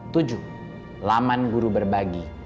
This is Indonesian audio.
tujuh laman guru berbagi